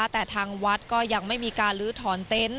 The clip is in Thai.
แต่ทางวัดก็ยังไม่มีการลื้อถอนเต็นต์